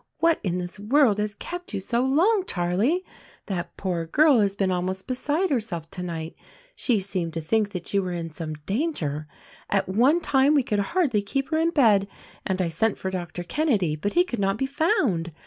What in this world has kept you so long, Charlie? That poor girl has been almost beside herself tonight; she seemed to think that you were in some danger. At one time we could hardly keep her in bed, and I sent for Doctor Kenedy; but he could not be found.